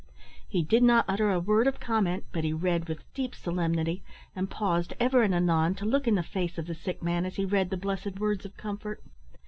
He did not utter a word of comment; but he read with deep solemnity, and paused ever and anon to look in the face of the sick man as he read the blessed words of comfort.